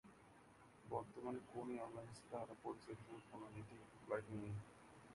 বর্তমানে কোন এয়ারলাইন্স দ্বারা পরিচালিত কোন নির্ধারিত ফ্লাইট নেই।